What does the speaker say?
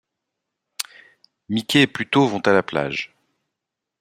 Mickey et Pluto vont à la plage.